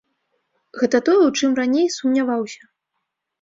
Гэта тое, у чым раней сумняваўся.